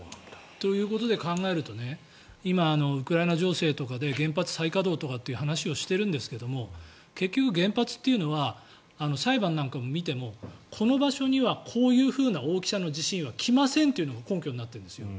ということで考えると今、ウクライナ情勢とかで原発再稼働とかっていう話をしているんですけど結局、原発というのは裁判なんかを見てもこの場所にはこういうふうな大きさの地震は来ませんというのが根拠になっているんですよ。